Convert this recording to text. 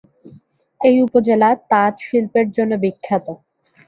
এই উপজেলা তাঁত শিল্পের জন্য বিখ্যাত।